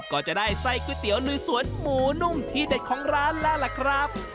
ก็จะได้ไส้ก๋วยเตี๋ยวลุยสวนหมูนุ่มที่เด็ดของร้านแล้วล่ะครับ